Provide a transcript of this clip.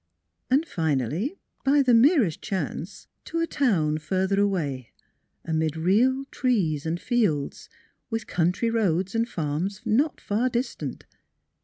And finally, by the merest chance to a town further away, amid real trees and fields, with country roads and farms not far distant.